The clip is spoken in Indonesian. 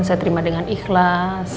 saya terima dengan ikhlas